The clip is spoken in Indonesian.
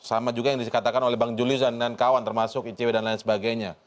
sama juga yang dikatakan oleh bang julius dan kawan termasuk icw dan lain sebagainya